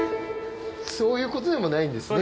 そういうことでもないんですね。